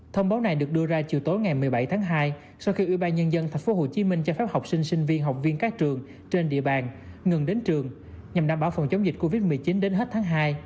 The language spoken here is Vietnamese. thông báo này được đưa ra chiều tối ngày một mươi bảy tháng hai sau khi ủy ban nhân dân tp hcm cho phép học sinh sinh viên học viên các trường trên địa bàn ngừng đến trường nhằm đảm bảo phòng chống dịch covid một mươi chín đến hết tháng hai